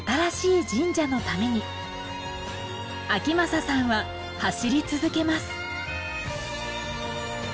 章匡さんは走り続けます。